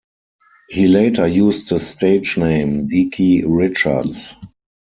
He later used the stage name Deke Richards.